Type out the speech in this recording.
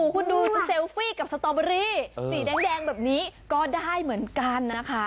คุณดูจะเซลฟี่กับสตอเบอรี่สีแดงแบบนี้ก็ได้เหมือนกันนะคะ